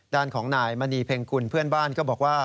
ด้านของนายมณีเพ็งกุลเพื่อนบ้านก็บอกว่า